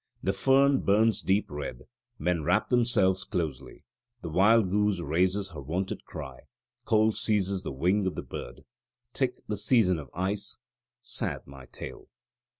The fern burns deep red. Men wrap themselves closely: the wild goose raises her wonted cry: cold seizes the wing of the bird: 'tis the season of ice: sad my tale."